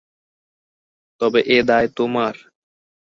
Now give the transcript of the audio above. তবে এ দায় তােমার!